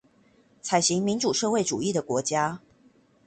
採行民主社會主義的國家